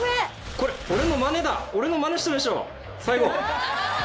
これ俺のまねだ俺のまねしたでしょ最後。